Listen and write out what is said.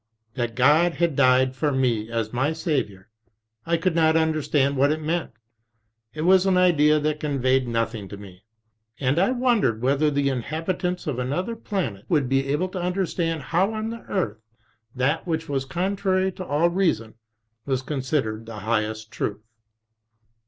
That God had died for me as my Saviour, — I could not understand what it meant; it was an idea that conveyed nothing to me. And I wondered whether the inhabitants of another planet would be able to understand how on the Earth that which was contrary to all reason was considered the highest truth.